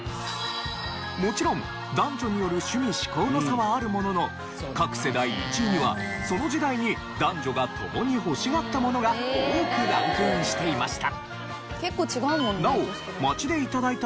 もちろん男女による趣味嗜好の差はあるものの各世代１位にはその時代に男女がともに欲しがったものが多くランクインしていました。